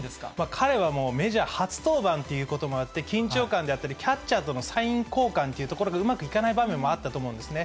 彼はメジャー初登板ということもあって、緊張感であったり、キャッチャーとのサイン交換というところが、うまくいかない場面もあったと思うんですね。